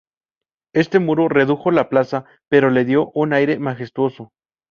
Este muro redujo la plaza pero le dio un aire majestuoso.